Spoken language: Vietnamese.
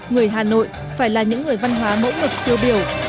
người hà nội phải là những người văn hóa mẫu mực tiêu biểu